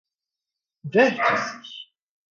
vértices